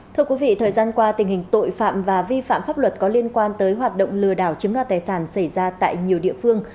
thưa quý vị thời gian qua tình hình tội phạm và vi phạm pháp luật có liên quan tới hoạt động lừa đảo chiếm đoạt tài sản xảy ra tại nhiều địa phương